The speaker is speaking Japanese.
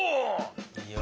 いいよ。